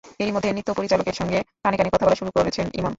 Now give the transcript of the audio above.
এরই মধ্যে নৃত্যপরিচালকের সঙ্গে কানে কানে কথা বলা শুরু করেছেন ইমন।